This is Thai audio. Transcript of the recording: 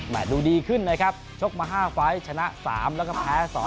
ดูดีขึ้นนะครับชกมา๕ไฟล์ชนะ๓แล้วก็แพ้๒